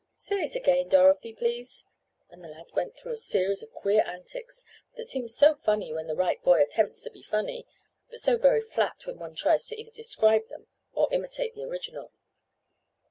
Say it again, Dorothy, please," and the lad went through a series of queer antics, that seem so very funny when the right boy attempts to be funny, but so very flat when one tries to either describe them or imitate the original.